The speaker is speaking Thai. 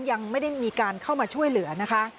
ยังไม่ได้มีการเข้ามาช่วยเหลือนะคะ